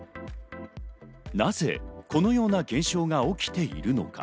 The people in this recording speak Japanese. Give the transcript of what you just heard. なぜこのような現象が起きているのか？